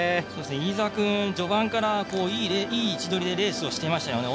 飯澤君、序盤からいい位置取りでレースをしていましたよね。